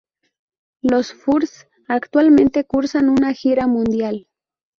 Los Furs actualmente cursan una gira mundial.